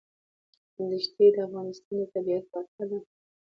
دښتې د افغانستان د طبیعت برخه ده.